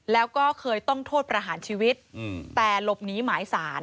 แล้วก็เคยต้องโทษประหารชีวิตแต่หลบหนีหมายสาร